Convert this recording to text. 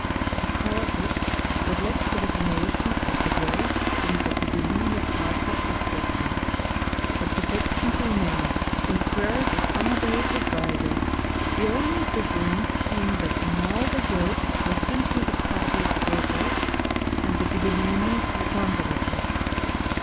The causes that led to the formation of the Guelph and the Ghibelline parties were forgotten, but the factions remained, and quarreled with unabated vigor, the only difference being that now the Guelphs were simply the party of progress and the Ghibellines the conservatives.